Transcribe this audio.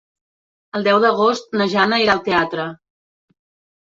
El deu d'agost na Jana irà al teatre.